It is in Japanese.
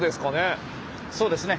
そうですね。